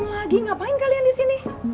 lagi ngapain kalian di sini